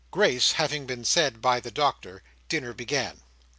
Grace having been said by the Doctor, dinner began.